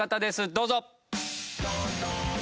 どうぞ！